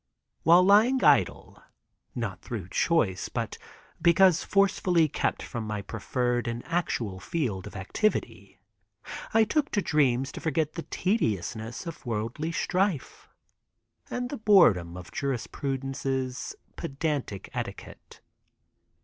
While lying idle, not through choice, but because forcibly kept from my preferred and actual field of activity, I took to dreams to forget the tediousness of worldly strife and the boredom of jurisprudence's pedantic etiquette.